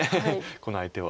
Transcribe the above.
この相手は。